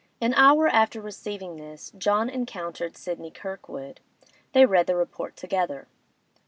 An hour after receiving this John encountered Sidney Kirkwood. They read the report together.